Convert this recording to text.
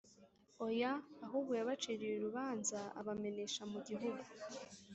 Oya! Ahubwo yabaciriye urubanza, abamenesha mu gihugu,